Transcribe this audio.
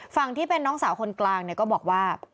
ฝั่งที่เป็นน้องสาวคนกลางเนี่ยก็บอกว่า